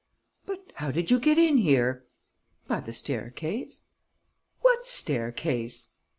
"But how did you get in here?" "By the staircase." "What staircase?"